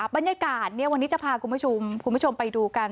บรรยากาศวันนี้จะพาคุณผู้ชมไปดูกัน